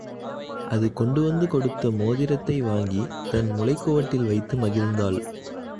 அதுகொண்டு வந்துகொடுத்த மோதிரத்தை வாங்கித் தன் முலைக் குவட்டில் வைத்து, மகிழ்ந்தாள்.